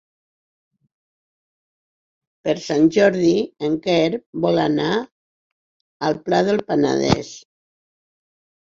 Per Sant Jordi en Quer vol anar al Pla del Penedès.